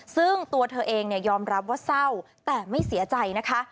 ซึ่งตัวเธอเองยอมรับว่าเศร้าแต่ไม่เสียใจนะคะ